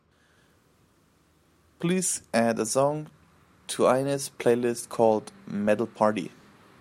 Please add a song to ines's playlist called Metal Party